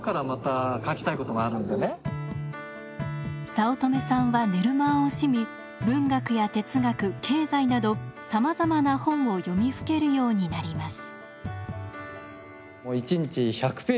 早乙女さんは寝る間を惜しみ文学や哲学経済などさまざまな本を読みふけるようになります。